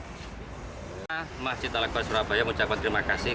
pak surabaya mengucapkan terima kasih